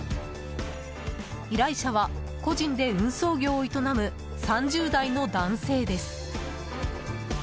依頼者は、個人で運送業を営む３０代の男性です。